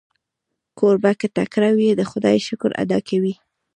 کوربه که تکړه وي، د خدای شکر ادا کوي.